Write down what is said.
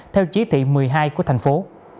theo chí thị một mươi hai của thành phố